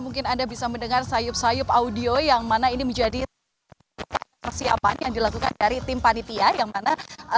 mungkin anda bisa mendengar sayup sayup audio yang mana ini menjadi persiapan yang dilakukan dari tim panitia yang mana